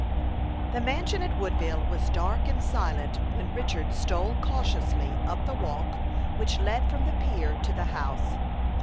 The mansion at Woodville was dark and silent when Richard stole cautiously up the walk which led from the pier to the house.